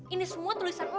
ini semua tulisan lu